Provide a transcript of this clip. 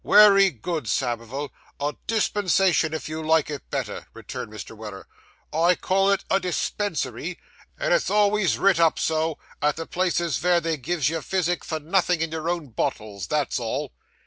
'Wery good, Samivel, a dispensation if you like it better,' returned Mr. Weller; 'I call it a dispensary, and it's always writ up so, at the places vere they gives you physic for nothin' in your own bottles; that's all.